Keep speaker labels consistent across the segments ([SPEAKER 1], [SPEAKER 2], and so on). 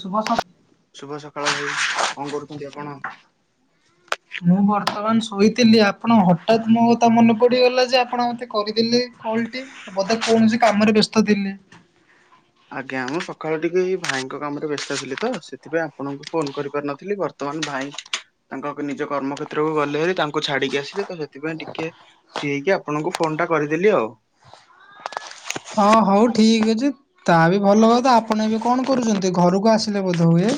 [SPEAKER 1] ଶୁଭ ସ
[SPEAKER 2] ଶୁଭ ସକାଳ ଭାଇ କଣ କରୁଛନ୍ତି ଆପଣ?
[SPEAKER 1] ମୁଁ ବର୍ତ୍ତମାନ ଶୋଇଥିଲି ଆପଣ ହଠାତ୍ ମୋ କ ତା ମନେ ପଡିଗଲା ଯେ ଆପଣ ମତେ କରିଦେଲେ କଲ ଟେ ବୋଧେ କୌଣସି କାମରେ ବ୍ୟସ୍ତ ଥିଲେ?
[SPEAKER 2] ଆଜ୍ଞା ମୁଁ ସକାଳୁ ଟିକେ ଏଇ ଭାଇଙ୍କ କାମରେ ବ୍ୟସ୍ତ ଥିଲି ତ ସେଥିପାଇଁ ଆପଣଙ୍କୁ ଫୋନ କରିପାରି ନଥିଲି ବର୍ ବର୍ତ୍ତମାନ ଭାଇ ତାଙ୍କ ନିଜ କର୍ମକ୍ଷେତ୍ରକୁ ଗଲେ ହେରି ତାଙ୍କୁ ଛାଡିକି ଆସିଲି ତ ସେଥିପାଇଁ ଟିକେ ଫ୍ରୀ ହେଇକି ଆପଣଙ୍କୁ ଫୋନଟା କରିଦେଲି ଆଉ।
[SPEAKER 1] ହଁ ହଉ ଠିକ୍ ଅଛି ତା ବି ଭଲ କଥା ଆପଣ ଏବେ କଣ କରୁଛନ୍ତି ଘରକୁ ଆ ଲେ ବୋଧହୁଏ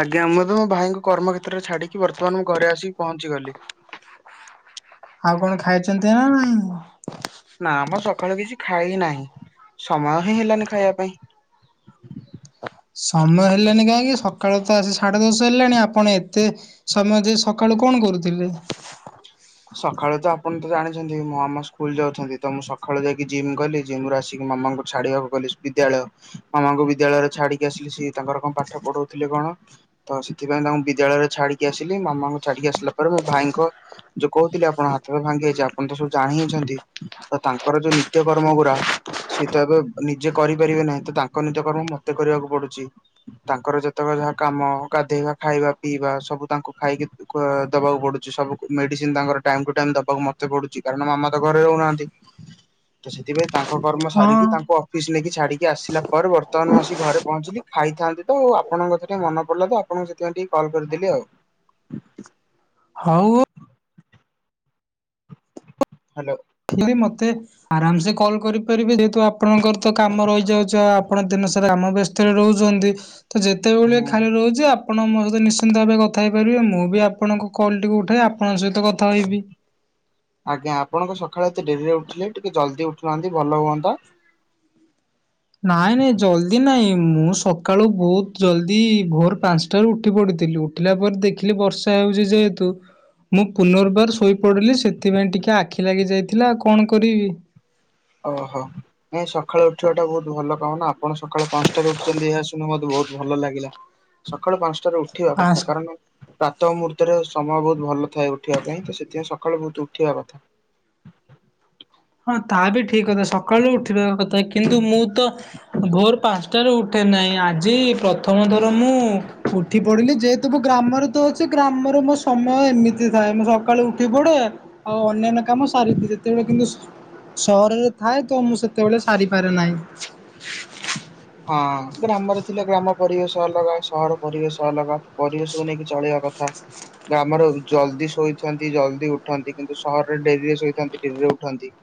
[SPEAKER 2] ଆଜ୍ଞା ମୁଁ ତ ମୋ ଭାଇଙ୍କୁ କର୍ମ କ୍ଷେତ୍ରରେ ଛାଡିକି ବର୍ତ୍ତମାନ ମୁଁ ଘରେ ଆସିକି ପହଞ୍ଚିଗଲି।
[SPEAKER 1] ଆଉ କଣ ଖାଇଛନ୍ତି ନା ନାଇଁ?
[SPEAKER 2] ନା ମ ସକାଳୁ କିଛି ଖାଇ ନାହିଁ ସମୟ ହିଁ ହେଲାନି ଖାଇବା ପାଇଁ।
[SPEAKER 1] ସମୟ ହେଲନି କାହିଁକି ସକାଳ ତ ଆସି ସାଢ଼େ ଦଶ ହେଲାଣି ଆପଣ ଏତେ ସମୟ ସକାଳୁ କଣ କରୁଥିଲେ?
[SPEAKER 2] ସକାଳୁ ତ ଆପଣ ତ ଜାଣିଛନ୍ତି ମୋ ମାମା ସ୍କୁଲ ଯାଉଛନ୍ତି ତ ମୁଁ ସକାଳୁ ଯାଇକି ଜିମ୍ ଗଲି ଜିମରୁ ଆସିକି ମାମା ଛାଡିବାକୁ ଗଲି ବିଦ୍ୟାଳୟ ମାମାଙ୍କୁ ବିଦ୍ୟାଳୟରେ ଛାଡିକି ଆସିଲି ସିଏ ତାଙ୍କର କଣ ପାଠ ପଢଉଥିଲେ କଣ ତ ସେଥିପାଇଁ ତାଙ୍କୁ ବିଦ୍ୟାଳୟରେ ଛାଡିକି ଆସିଲି ମାମାଙ୍କୁ ଛାଡିକି ଆସିଲା ପରେ ମୁଁ ଭାଇଙ୍କ ଯୋଉ କହୁଥିଲି ଆପଣ ହାତ ଭାଙ୍ଗି ଯାଇଛି ଆପଣ ତ ସବୁ ଜାଣି ହିଁ ଛନ୍ତି ତ ତାଙ୍କର ଯୋଉ ନିତ୍ୟ କର୍ମ ଗୁଡା ସିଏ ତ ଏବେ ନିଜେ କରିପାରିବେ ନାହିଁ ତ ତାଙ୍କ ନିତ୍ୟ କର୍ମ ମତେ କରିବାକୁ ପଡୁଛି। ତାଙ୍କର ଯେତେବେଳେ ଯାହା କାମ ଗାଧେଇବା ଖାଇବା ପିଇବା ସବୁ ତାଙ୍କୁ ଖାଇକି ଦେବାକୁ ପଡୁଛି ସବୁ ମେ ମେଡିସିନ ତାଙ୍କର ଟାଇମ କୁ ଟାଇମ ଦେବାକୁ ମତେ ପଡୁଛି କାରଣ ମାମା ତ ଘରେ ରହୁନାହାନ୍ତି ତ ସେଥିପାଇଁ ତା କର୍ମ
[SPEAKER 1] ହଁ
[SPEAKER 2] ସାରିକି ତାଙ୍କ ଫିସ୍ ନେଇକି ଛାଡିକି ଆସିଲା ପରେ ବର୍ତ୍ତମାନ ମୁଁ ଆସି ଘରେ ପହଞ୍ଚିଲି ଖାଇଥାନ୍ତି ତ ଆ ଆପଣଙ୍କ କଥା ଟିକେ ମନ ପଡ଼ିଲା ତ ଆପ ଆପଣଙ୍କୁ ସେଥିପାଇଁ ଟିକେ କଲ୍ କରିଦେଲି ଆଉ।
[SPEAKER 1] ହଉ
[SPEAKER 2] ହ୍ୟାଲୋ।
[SPEAKER 1] ଯଦି ମୋତେ ଆରାମ ସେ କଲ୍ କରିପାରିବେ ଯେହେତୁ ଆପଣଙ୍କର ତ କାମ ରହିଯାଉଛି ଆପଣ ଦିନ ସାରା ଆମ ବ୍ୟସ୍ତ ତେଳେ ରହୁଛନ୍ତି ତ ଯେତେବେଳେ
[SPEAKER 2] ହୁଁ।
[SPEAKER 1] ଖାଲି ରହୁଛି ଆପ ଣ ମୋ ସହିତ ନିଶ୍ଚିନ୍ତ ଭାବେ କଥା ହେଇପାରିବେ ମୁଁ ବି ଆପଣଙ୍କ କଲ୍ଟିକୁ ଉଠାଇ ଆପଣଙ୍କ ସହିତ କଥା ହେବି।
[SPEAKER 2] ଆଜ୍ଞା ଆପଣଙ୍କ ସକାଳେ ଏତେ ଡେରିରେ ଉଠିଲେ ଟିକେ ଜଲ୍ଦି ଉଠୁନାହାନ୍ତି ଭଲ ହୁଅନ୍ତା।
[SPEAKER 1] ନାଇଁ ନାଇଁ ଜଲ୍ଦି ନାଇଁ ମୁଁ ସକାଳୁ ବହୁତ ଜଲ୍ଦି ଭୋର ପାଞ୍ଚଟାରୁ ଉଠି ପଡିଥିଲୁ। ଉଠିଲା ପରେ ଦେଖିଲି ବର୍ଷା ହେଉଛି ଯେହେତୁ ମୁଁ ପୁନର୍ବାର ଶୋଇପଡ଼ିଲି ସେଥିପାଇଁ ଟିକେ ଆଖି ଲାଗି ଯାଇଥିଲା କଣ କରିବି।
[SPEAKER 2] ଓହୋ ନାଇ ସଖାଳୁ ଉଠିବାଟା ବହୁତ ଭଲ କାମ ନା ଆପଣ ସକାଳେ ପାଞ୍ଚଟାରେ ଉଠୁଛନ୍ତି ଏହା ଶୁ ଣି ମତେ ବହୁତ୍ ଭଲ ଲାଗିଲା ସକାଳୁ ପାଞ୍ଚଟାରେ ଉଠିବା କଥା
[SPEAKER 1] ପାଞ୍ଚ
[SPEAKER 2] କାରଣ ପ୍ରାତହ ମୁହୂର୍ତ୍ତରେ ସମୟ ବହୁତ୍ ଭଲ ଥାଏ ଉଠିବା ପାଇଁ ତ ସେଥିପାଇଁ ସକାଳୁ ବହୁତ ଉଠିବା କଥା।
[SPEAKER 1] ହଁ ତାହା ବି ଠି କଥା ସକାଳୁ ଉଠିବା କଥା କିନ୍ତୁ ମୁଁ ତ ଭୋର ପାଞ୍ଚଟାରୁ ଉଠେ ନାହିଁ ଆଜି ପ୍ରଥମ ଥର ମୁଁ ଉ ଠି ପଡ଼ିଲି ଯେହେତୁ ମୁ ଗ୍ରାମରେ ତ ଅଛି ଗ୍ରାମରେ ମୋ ସମୟ ଏମିତି ଥାଏ ମୁଁ ସକାଳୁ ଉଠି ପଡ଼େ। ଆଉ ଅନ୍ୟାନ୍ୟ କାମ ସାରି ଯେତେବେଳେ କିନ୍ତୁ ସହରରେ ଥାଏ ତ ମୁଁ ସେତେବେଳେ ସାରିପାରେ ନାହିଁ।
[SPEAKER 2] ହଁ ଗ୍ରାମରେ ଥିଲେ ଗ୍ରାମ ପରିବେଶ ଅଲଗା ସହର ପରିବେଶ ଅଲଗା ପରିବେଶକୁ ନେଇକି ଚଳେଇବା କଥା। ଗାମର ଜଲ୍ଦି ଶୋଇଥାନ୍ତି ଜଲ୍ଦି ଉଠାନ୍ତି କିନ୍ତୁ ସହରରେ ଡେରିରେ ଶୋଇଥାନ୍ତି ଡେରିରେ ଉଠନ୍ତି।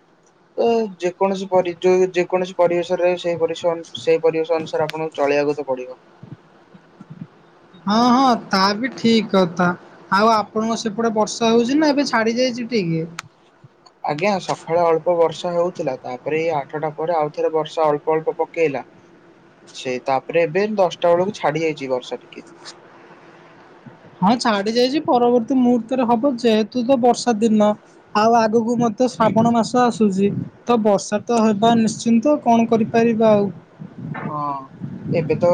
[SPEAKER 2] ତ ଯେକୌଣସି ପରି ଯେକୌଣସି ପରିବେଶରେ ରହି ସେଇ ପରିବେଶ ଅନୁ ସେଇ ପରିବେଶ ଅନୁସାରେ ଆପଣଙ୍କୁ ଚଲିବାକୁ ତ ପଡିବ।
[SPEAKER 1] ହଁ ହଁ ତା ବି ଠିକ୍ କଥା। ଆଉ ଆପଣଙ୍କ ସେପଟେ ବର୍ଷା ହଉଚି ନା ଏବେ ଛାଡି ଯାଇଛି ଟିକେ?
[SPEAKER 2] ଆଜ୍ଞା ସଖାଳେ ଅଳ୍ପ ବର୍ଷା ହେଉଥିଲା ତାପରେ ଏଇ ଆଠଟା ପରେ ଆଉ ଥରେ ବର୍ଷା ଅଳ୍ପ ଅଳ୍ପ ପକେଇଲା। ସେଇ ତାପରେ ଏବେ ଦଶଟା ବେଳକୁ ଛାଡି ଯାଇଛି ବର୍ଷା ଟିକେ।
[SPEAKER 1] ହଁ ଛାଡି ଯାଇଚି ପରବର୍ତ୍ତୀ ମୁହୂର୍ତ୍ତରେ ହବ ଯେହେତୁ ତ ବର୍ଷା ଦିନ। ଆଉ ଆଗକୁ ମଧ୍ୟ ଶ୍ରାବଣ ମାସ ଆସୁଚି ତ ବର୍ଷା ତ ହେବା ନିଶ୍ଚିନ୍ତ। କଣ କରିପାରିବା ଆଉ?
[SPEAKER 2] ହଁ। ଏବେ ତ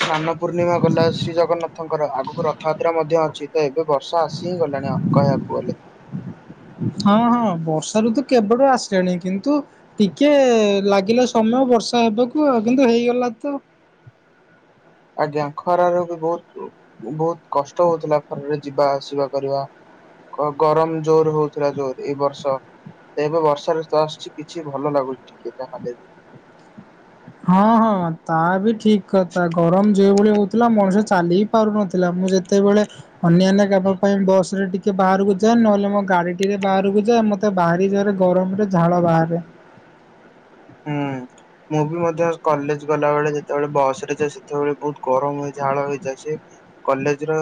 [SPEAKER 2] ସ୍ନାନ ପୂର୍ଣ୍ଣିମା ଗଲା ଶ୍ରୀ ଜଗନ୍ନାଥଙ୍କର ଆଗକୁ ରଥଯାତ୍ରା ମଧ୍ୟ ଅଛି। ଏବେ ବର୍ଷା ଆସି ହିଁ ଗଲାଣି କହିବାକୁ ଗଲେ।
[SPEAKER 1] ହଁ ହଁ ବର୍ଷା ଋତୁ କେବେଠୁ ଆସିଲାଣି କିନ୍ତୁ ଟିକେ ଲାଗିଲା ସମୟ ବର୍ଷା ହେବାକୁ ଆଉ କିନ୍ତୁ ହେଇଗଲା ତ।
[SPEAKER 2] ଆଜ୍ଞା ଖରା ର ବି ବହୁତ୍ ବହୁତ୍ କଷ୍ଟ ହଉଥିଲା ଖରାରେ ଯିବା ଆସିବା କରିବା। କ ଗରମ୍ ଜୋର୍ ହଉଥିଲା ଜୋରେ ଏଇ ବର୍ଷ। ତ ଏବେ ବର୍ଷା ଋତୁ ଆସୁଛି କିଛି ଭଲ ଲାଗୁନି ଟିକେ ଯାହେଲେ ବି।
[SPEAKER 1] ହଁ ହଁ ତା ବି ଠିକ୍ କଥା ଗରମ୍ ଯେଉ ଭଳି ହଉ ଥିଲା ମଣିଷ ଚାଲି ହି ପାରୁନଥିଲା ମୁଁ ଯେତେବେଳେ ଅନ୍ୟାନ୍ୟ ଗାପ ପାଇଁ ବସ୍ ରେ ଟିକେ ବାହାରକୁ ଯାଏ ନହେଲେ ମୋ ଗାଡି ଟିରେ ବାହାରକୁ ଯାଏ ମ ତେ ବାରିଯରେ ଗରମ୍ ରେ ଝାଳ ବାହାରେ।
[SPEAKER 2] ହୁଁ। ମୁଁ ବି ମଧ୍ୟ କଲେଜ୍ ଗଲା ବେଳେ ଯେତେବେଳେ ବସ୍ ରେ ଯେ ସେତେବେଳେ ବହୁତ୍ ଗରମ୍ଏ ଝାଳ ହେଇଯାଏ। କଲେଜ୍ ର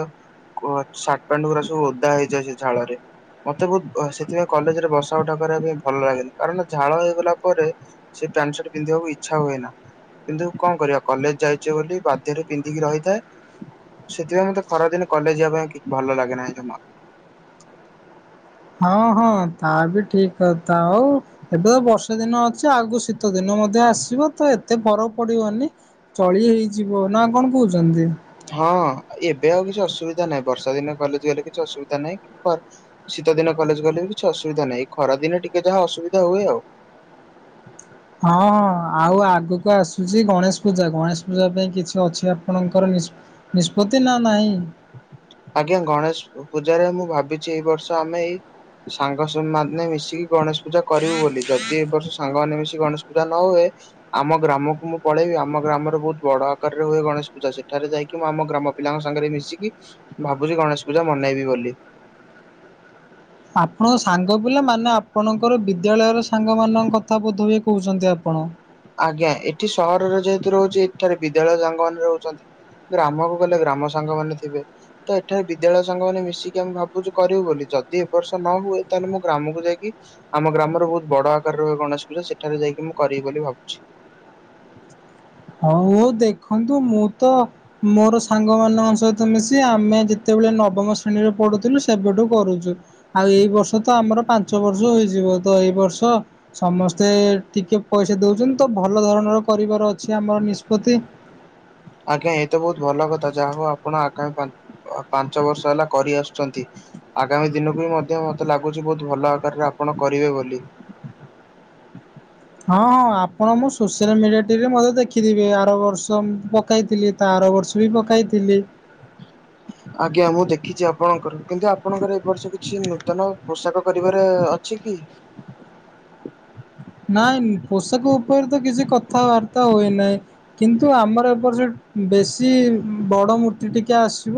[SPEAKER 2] କ ସାଟ୍ ପାଣ୍ଡ ଗୁୁରା ସବୁ ଓଦା ହେଇଯାଏ ସେ ଝାଳରେ‌। ମତେ ବହୁତ୍ ସେଥିପାଇଁ କଲେଜ୍ ରେ ବସା ଉଠା କରିବା ପାଇଁ ଭଲ ଲାଗେନି କାରଣ ଝାଳ ହେଇଗଲା ପରେ। ସେ ପ୍ୟାଣ୍ଟ୍ ସାର୍ଟ୍ ପିନ୍ଧିବାକୁ ଇଚ୍ଛା ହୁଏ ନା। କିନ୍ତୁ କଣ କରିବା କଲେଜ୍ ଯାଇଚେ ବୋଲି ବାଧ୍ୟରେ ପିନ୍ଧିକି ରହିଥାଏ। ସେଥିପାଇଁ ମତେ ଖରା ଦିନେ କଲେଜ୍ ଯିବା ପାଇଁ କି ଭଲ ଲାଗେ ନାହିଁ ଜମା।
[SPEAKER 1] ହଁ- ହଁ ତା ବି ଠିକ୍ କଥା, ଆଉ ଏବେ ତ ବର୍ଷାଦିନ ଅଛି ଆଗକୁ ଶୀ ତ ଦିନ ମଧ୍ୟ ଆସିବ, ତ ଏ ଏତେ ଫରକ୍ ପଡିବନି, ଚଳି ହେଇଯିବ ନା କଣ କହୁଛନ୍ତି?
[SPEAKER 2] ହଁ ଏବେ ଆଉ କିଛି ଅସୁବିଧା ନାହିଁ, ବର୍ଷାଦିନେ କଲେଜ୍ ଗଲେ କିଛି ଅସୁବିଧା ନାହିଁ କି ଖ ଶୀତଦିନେ କଲେଜ୍ ଗଲେ ବି କିଛି ଅସୁବିଧା ନାହିଁ, ଏଇ ଖରାଦିନେ ଟିକେ ଯାହା ଅସୁବିଧା ହୁଏ ଆଉ।
[SPEAKER 1] ହଁ- ହଁ ଆଉ ଆଗକୁ ଆସୁଚି ଗଣେଶପୂଜା, ଗଣେଶ ପୂଜା ପାଇଁ କିଛି ଅଛି ଆପଣଙ୍କର ନି ନିଷ୍ପତ୍ତି ନା ନାହିଁ?
[SPEAKER 2] ଆଜ୍ଞା ଗଣେଶ ପୂଜାରେ ମୁଁ ଭାବିଚି, ଏଇ ବର୍ଷ ଆମେ ଏଇ ସାଙ୍ଗ ସ ମାନେ ମିଶିକି ଗଣେଶ ପୂଜା କରିବୁ ବୋଲି, ଯଦି ଏବର୍ଷ ସାଙ୍ଗମାନେ ମିଶିକି ଗଣେଶ ପୂଜା ନ ହୁଏ ଆମ ଗ୍ରାମକୁ ମୁଁ ପଳେଇବି, ଆମ ଗ୍ରାମରେ ବହୁତ୍ ବଡ଼ ଆକାରରେ ହୁଏ ଗଣେଶ୍ ପୂଜା। ସେଠାରେ ଯାଇକି ମୁଁ ଆମ ଗ୍ରାମ ପିଲାଙ୍କ ସାଙ୍ଗରେ ମିଶିକି, ଭାବୁଚି ଗଣେଶ ପୂଜା ମନେଇବି ବୋଲି।
[SPEAKER 1] ଆପଣଙ୍କ ସାଙ୍ଗପିଲା, ମାନେ ଆପଣଙ୍କର ବିଦ୍ୟାଳୟର ସାଙ୍ଗମାନଙ୍କ କଥା ବୋଧ ହୁଏ କହୁଚନ୍ତି ଆପଣ?
[SPEAKER 2] ଆଜ୍ଞା ଏଠି ସହରରେ ଯେହେତୁ ରହୁଚି, ଏଠାରେ ବିଦ୍ୟାଳୟ ସାଙ୍ଗ ମାନେ ରହୁଚନ୍ତି। ଗ୍ରାମକୁ ଗଲେ ଗ୍ରାମ ସାଙ୍ଗମାନେ ଥିବେ। ତ ଏଠାରେ ବିଦ୍ୟାଳୟ ସାଙ୍ଗ ମାନେ ମିଶିକି ଆମେ ଭାବୁଛୁ କରିବୁ ବୋଲି, ଯଦି ଏବର୍ଷ ନ ହୁଏ ତାହେଲେ ମୁଁ ଗ୍ରାମକୁ ଯାଇକି ଆମ ଗ୍ରାମରେ ବହୁତ ବଡ ଆକାରରେ ହୁଏ ଗଣେଶ ପୂଜା। ସେଠାରେ ଯାଇକି ମୁଁ କରିବି ବୋଲି ଭାବୁ ଛି।
[SPEAKER 1] ହଉ ଦେଖନ୍ତୁ ମୁଁ ତ ମୋର ସାଙ୍ଗମାନଙ୍କ ସହିତ ମିଶି, ଆମେ ଯେତେବେଳେ ନବମ ଶ୍ରେଣୀରେ ପଢୁଥିଲୁ ସେବେଠୁ କରୁଛୁ। ଆଉ ଏଇ ବର୍ଷ ତ ଆମର ପାଞ୍ଚ ବର୍ଷ ହୋଇଯିବ, ତ ଏଇ ବର୍ଷ ସମସ୍ତେ ଟିକେ ପଇସା ଦଉଛନ୍ତି, ତ ଭଲ ଧରଣର କରିବାର ଅଛି ଆମର ନିଷ୍ପତ୍ତି।
[SPEAKER 2] ଆଜ୍ଞା ଏତ ବହୁତ ଭଲ କଥା, ଯାହା ହଉ ଆପଣ ଆଗାମୀ ପା ପାଞ୍ଚ ବର୍ଷ ହେଲା କରି ଆସୁଛନ୍ତି। ଆଗାମୀ ଦିନକୁ ବି ମଧ୍ୟ ମତେ ଲାଗୁଛି, ବହୁତ ଭଲ ଆକାରରେ ଆପଣ କରିବେ ବୋଲି।
[SPEAKER 1] ହଁ- ହଁ ଆପଣ ମୁଁ ସୋସିଆଲ ମିଡିଆଟିରେ ମଧ୍ୟ ଦେଖିଥିବେ। ଆର ବର୍ଷ ପକାଇଥିଲି ତା ଆରବର୍ଷ ବି ପକାଇଥିଲି।
[SPEAKER 2] ଆଜ୍ଞା ମୁଁ ଦେଖିଛି ଆପଣଙ୍କର, କିନ୍ତୁ ଆପଣଙ୍କର ଏ ବର୍ଷ କିଛି ନୂତନ ପୋଷାକ କରିବାରେ ଅ ଛି କି?
[SPEAKER 1] ନାଇଁ ପୋଷାକ ଉପରେ ତ କିଛି କଥାବାର୍ତ୍ତା ହୁଏ ନାହିଁ। କିନ୍ତୁ ଆମର ଏବର୍ଷ ବେଶୀ ବଡ଼ ମୂର୍ତ୍ତି ଟିକେ ଆସିବ।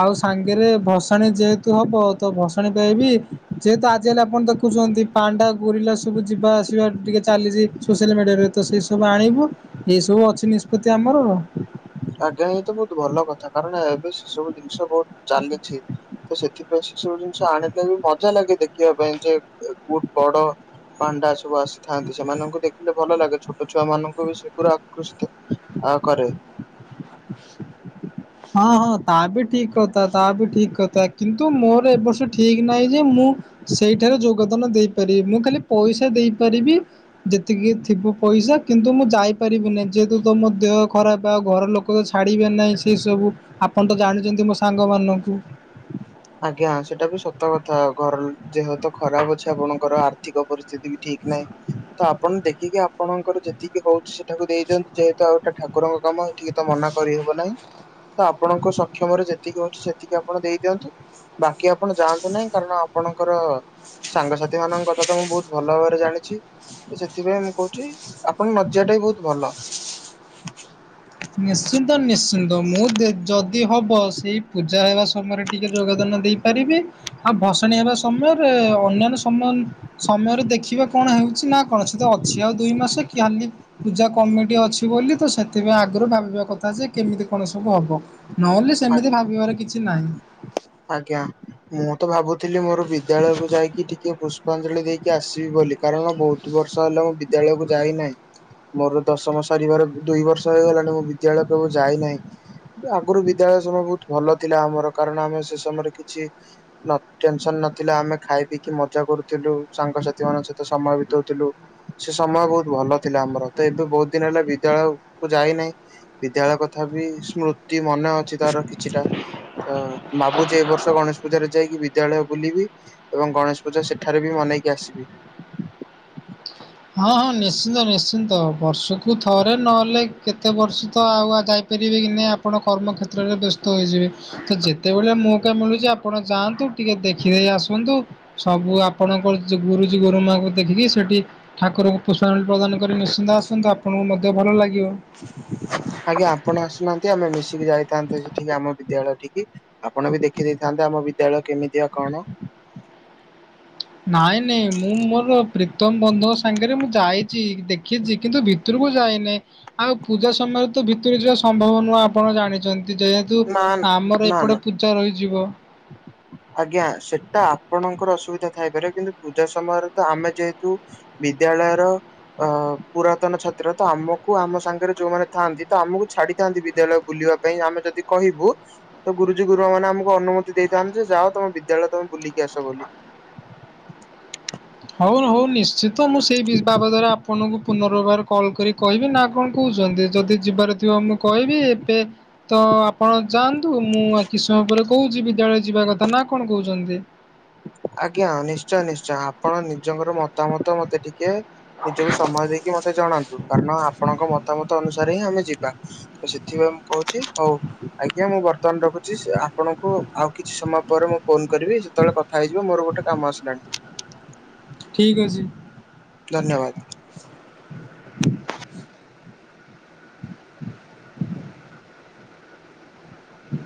[SPEAKER 1] ଆଉ ସାଙ୍ଗରେ ଭସାଣୀ ଯେହେତୁ ହବ, ତ ଭସାଣୀ ପାଇଁ ବି ଯେହେତୁ ଆଜି କାଲି ଆପଣ ଦେଖୁଛନ୍ତି ପାଣ୍ଡା, ଗୋରିିଲା ସବୁ ଯିବା ଆ [unintelligible] ଟିକେ ଚାଲିଛି ସୋସିଆଲ ମିଡ଼ିଆରେ, ତ ସେ ସବୁ ଆଣିବୁ। ଏଇସବୁ ଅଛି ନିଷ୍ପତ୍ତି ଆମର।
[SPEAKER 2] ଆଜ୍ଞା ଏଇ ତ ବହୁତ ଭଲ କଥା, କାରଣ ଏବେ ସେ ସବୁ ଜିନିଷ ବହୁତ ଚାଲିଛି। ତ ସେଥିପାଇଁ ସେ ସବୁ ଜିନିଷ ଆଣିଲେ ବି ମଜା ଲାଗେ ଦେଖିବା ପାଇଁ, ଯେ [unintelligible] ବଡ ପାଣ୍ଡା ସବୁ ଆସିଥାନ୍ତି, ସେମାନଙ୍କୁ ଦେଖିଲେ ଭଲ ଲାଗେ। ଛୋଟ ଛୁଆମାନଙ୍କୁ ବି ସେଗୁରା ଆକୃଷିତ ଆ କରେ।
[SPEAKER 1] ହଁ- ହଁ ତା ବି ଠିକ୍ କଥା, ତା ବି ଠିକ୍ କଥା କିନ୍ତୁ ମୋର ଏ ବର୍ଷ ଠିକ୍ ନାହିଁ ଯେ ମୁଁ ସେଇଠାରେ ଯୋଗଦାନ ଦେଇପାରିବି, ମୁଁ ଖାଲି ପଇସା ଦେଇପାରିବି। ଯେତିକି ଥିବ ପଇସା, କିନ୍ତୁ ମୁଁ ଯାଇପାରିବିନି। ଯେହେତୁ ତ ମୋ ଦେହ ଖରାପ ଆଉ ଘର ଲୋକ ଲୋକ ତ ଛାଡ଼ିବେ ନାହିଁ ସେସବୁ, ଆପଣ ତ ଜାଣିଛନ୍ତି ମୋ ସାଙ୍ଗମାନଙ୍କୁ।
[SPEAKER 2] ଆଜ୍ଞା ସେଟା ବି ସତ କଥା, ଘର ଯେହେତୁ ଖରାପ ଅଛି ଆପଣଙ୍କର ଆର୍ଥିକ ପରିସ୍ଥିତି ବି ଠିକ ନାହିଁ, ତ ଆପଣ ଦେଖିକି ଆପଣଙ୍କର ଯେତିକି ହଉଛି ସେଠାକୁ ଦେଇ ଦିଅନ୍ତୁ। ଯେହେତୁ ଆଉ ଗୋଟା ଠା କୁରଙ୍କ କାମ ଏଠିକି ତ ମନା କରିହେବ ନାହିଁ। ତ ଆପଣଙ୍କ ସକ୍ଷମରେ ଯେତିକି ହଉଛି, ସେତିକି ଆପଣ ଦେଇ ଦିଅନ୍ତୁ। ବାକି ଆପଣ ଯାଆନ୍ତୁ ନାହିଁ କାରଣ ଆପଣଙ୍କର ସାଙ୍ଗସାଥି ମାନଙ୍କ କଥା ତ ମୁଁ ବହୁତ ଭଲ ଭାବରେ ଜାଣିଚି। ସେଥିପାଇଁ ମୁଁ କହୁଚି ଆପଣଙ୍କ ନ ଯିବାଟା ବି ବହୁତ ଭଲ।
[SPEAKER 1] ନିଶ୍ଚିନ୍ତ ନିଶ୍ଚିନ୍ତ ମୁଁ ଦେ ଯଦି ହବ ସେଇ ପୂଜା ହେବା ସମୟରେ ଟିକେ ଯୋଗଦାନ ଦେଇ ପାରିବି ଆଉ ଭସାଣି ହେବା ସମୟରେ ଅନ୍ୟାନ୍ୟ ସମ ସମୟରେ ଦେଖିବା କଣ ହେଉଚି ନା କଣ ସେ ତ ଅଛି ଆଉ ଦୁଇ ମାସ କି ଖାଲି ପୂଜା କମିଟି ଅଛି ବୋଲି ତ ସେଥିପାଇଁ ଆ ଙ୍କର ଭାବିବା କଥା ଯେ କେମିତି କଣ ସବୁ ହବ ନହେଲେ
[SPEAKER 2] ଆ
[SPEAKER 1] ସେମିତି ଭାବିବାର କିଛି ନାହିଁ।
[SPEAKER 2] ଆଜ୍ଞା ମୁଁ ତ ଭାବୁଥିଲି ମୋର ବିଦ୍ୟାଳୟକୁ ଯାଇକି ଟିକିଏ ପୁସ୍ ପାଞ୍ଜଳି ଦେଇକି ଆସିବି ବୋଲି କାରଣ ବହୁତ ବର୍ଷ ହେଲା ମୁଁ ବିଦ୍ୟାଳୟକୁ ଯାଇନାହିଁ। ମୋର ଦଶମ ସରିବାର ଦୁଇ ବର୍ଷ ହେଇଗଲାଣି ମୁଁ ବିଦ୍ୟାଳୟ କୁ ଆଉ ଯାଇନାହିଁ। ଏ ଆଗରୁ ବିଦ୍ୟାଳୟ ସମୟ ବହୁତ ଭଲ ଥିଲା ଆମର କାରଣ ଆମେ ସେ ସମୟରେ କିଛି ନ ଟେନସନ ନଥିଲା ଆମେ ଖାଇ ପିଇକି ମଜା କରୁଥିଲୁ ସାଙ୍ଗସାଥି ମାନଙ୍କ ସହିତ ସମୟ ବିତଉଥିଲୁ। ସେ ସମୟ ବହୁତ ଭଲ ଥିଲା ଆମର ତ ଏବେ ବହୁତ ଦିନ ହେଲା ବିଦ୍ୟାଳୟ କୁ ଯାଇନାହିଁ। ବିଦ୍ୟାଳୟ କଥା ବି ସ୍ମୃତି ମନେ ଅଛି ତାର କିଛିଟା ଅ ଭାବୁଚି ଏ ବର୍ଷ ଗଣେଶ ପୂଜାରେ ଯାଇକି ବିଦ୍ୟାଳୟ ବୁଲିବି। ଏବଂ ଗଣେଶ ପୂଜା ସେଠାରେ ବି ମନେଇକି ଆସିବି।
[SPEAKER 1] ହଁ ହଁ ନିଶ୍ଚିନ୍ତ ନିଶ୍ଚିନ୍ତ ବର୍ଷକୁ ଥରେ ନହେଲେ କେତେ ବର୍ଷ ତ ଆଉ ଯାଇ ପାରିବେ କି ନାହିଁ ଆପଣ କର୍ମ କ୍ଷେତ୍ରରେ ବ୍ୟସ୍ତ ହୋଇଯିବେ। ତ ଯେତେବେଳେ ମଉକା ମିଳୁଚି ଆପଣ ଯାଆନ୍ତୁ। ଟିକେ ଦେଖିଦେଇ ଆସନ୍ତୁ ସବୁ ଆପଣଙ୍କ ଗୁରୁଜୀ ଗୁରୁମାଙ୍କୁ ଦେଖିକି ସେଟି ଠାକୁରଙ୍କୁ ପୁଷ୍ପାଞ୍ଜଳି ପ୍ରଦାନ କରି ନିଶ୍ଚିନ୍ତ ଆସନ୍ତୁ ଆପଣଙ୍କୁ ମଧ୍ୟ ଭଲ ଲାଗିବ।
[SPEAKER 2] ଆଜ୍ଞା ଆପଣ ଆସୁନାହାଁନ୍ତି ଆମେ ମିଶିକି ଯାଇଥାନ୍ତେ ସେଠିକି ଆମ ବିଦ୍ୟାଳୟ ଠିକି। ଆପଣ ବି ଦେଖିଦେଇଥାନ୍ତେ ଆମ ବିଦ୍ୟାଳୟ କେମିତିଆ କଣ।
[SPEAKER 1] ନାଇଁ ନାଇଁ ମୁଁ ମୋର ପ୍ରୀତମ ବନ୍ଧୁଙ୍କ ସାଙ୍ଗରେ ମୁଁ ଯାଇଚି ଦେଖିଚି କିନ୍ତୁ ଭିତୁରୁକୁ ଯାଇନି। ଆଉ ପୂଜା ସମୟରେ ତ ଭିତୁରୁକୁ ଯିବା ସମ୍ଭବ ନୁହଁ ଆପଣ ଜାଣିଚ ନ୍ତି ଯେହେତୁ
[SPEAKER 2] ନା
[SPEAKER 1] ଆମର
[SPEAKER 2] ନା ନା
[SPEAKER 1] ଏପଟେ ପୂଜା ରହିଯିବ।
[SPEAKER 2] ଆଜ୍ଞା ସେଟା ଆପଣଙ୍କର ଅସୁବିଧା ଥାଇପାରେ କିନ୍ତୁ ପୂଜା ସମୟରେ ତ ଆମେ ଯେହେତୁ ବିଦ୍ୟାଳୟର ଅ ପୁରାତନ ଛାତ୍ର ତ ଆମକୁ ଆମ ସାଙ୍ଗେରେ ଯୋଉମାନେ ଥାଆନ୍ତି ତ ଆମୁକୁ ଛାଡିଥାନ୍ତି ବିଦ୍ୟାଳୟ ବୁଲିବା ପାଇଁ ଆମେ ଯଦି କହିବୁ ତ ଗୁରୁଜୀ ଗୁରୁମା ମାନେ ଆମକୁ ଅନୁମତି ଦେଇଥା ଯେ ଯାଅ ତମ ବିଦ୍ୟାଳୟ ତମେ ବୁଲିକି ଆସ ବୋଲି।
[SPEAKER 1] ହଉ ହଉ ନିଶ୍ଚିତ ମୁଁ ସେଇ ବି ବାବଦରେ ଆପଣଙ୍କୁ ପୁନର୍ବାର କଲ୍ କରି କହିବି ନା କଣ କହୁଚନ୍ତି ଯଦି ଯିବାର ଥିବ ମୁଁ କହିବି ଏବେ ତ ଆପଣ ଯାଆନ୍ତୁ ମୁଁ ଆଉ କିଛି ସମୟ ପରେ କହୁଚି ବିଦ୍ୟାଳୟ ଯିବା କଥା ନା କଣ କହୁଚନ୍ତି।
[SPEAKER 2] ଆଜ୍ଞା ନିଶ୍ଚୟ ନିଶ୍ଚୟ ଆପଣ ନିଜଙ୍କର ମତାମତ ମତେ ଟି କେ ନିଜକୁ ସମୟ ଦେଇକି ମତେ ଜଣାନ୍ତୁ କାରଣ ଆପଣଙ୍କ ମତାମତ ଅନୁସାରେ ହିଁ ଆମେ ଯିବା। ସେଥିପାଇଁ ମୁଁ କହୁଚି ହଉ ଆଜ୍ଞା ମୁଁ ବର୍ତ୍ ତମାନ ରଖୁଚି ଆପଣଙ୍କୁ ଆଉ କିଛି ସମୟ ପରେ ମୁଁ ଫୋନ କରିବି ଯେତେବେଳେ କ ଯିବ ମୋର ଗୋଟେ କାମ ଆସିଲାଣି।
[SPEAKER 1] ଠିକ୍ ଅଛି।
[SPEAKER 2] ଧନ୍ୟବାଦ।
[SPEAKER 1] ହୁଁ।